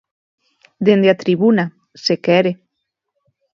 Dende a tribuna, se quere.